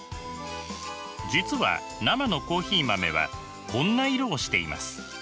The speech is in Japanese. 実は生のコーヒー豆はこんな色をしています。